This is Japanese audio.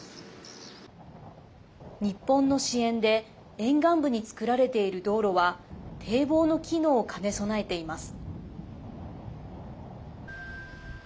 日本の支援で沿岸部に作られている道路は堤防の機能を兼ね備えています。